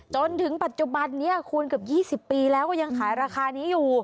จนถึงปัจจุบันนี้คูณเกือบ๒๐ปีแล้วก็ยังขายราคานี้อยู่